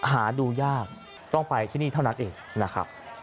หาดูยากต้องไปที่นี่เท่านั้นเองนะครับ